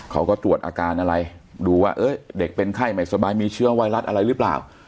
เขาก็ตรวจอาการอะไรดูว่าเด็กเป็นไข้ไม่สบายมีเชื้อไวรัสอะไรหรือเปล่า